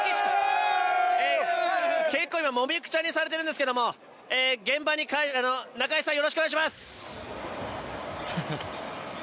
結構、今もみくちゃにされてるんですけども中居さん、よろしくお願いします！